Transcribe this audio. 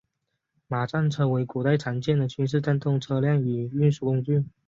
马战车为古代常见的军事战斗车辆与运输工具。